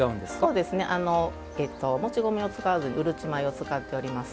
もち米を使わずにうるち米を使っております。